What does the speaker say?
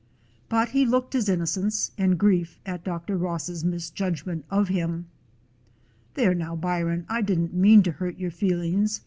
But he looked his innocence and grief at Dr. Ross's mis judgment of him. "There now, Byron, I did n't mean to hurt your feelings.